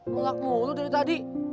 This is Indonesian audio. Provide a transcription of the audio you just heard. melak mulu dari tadi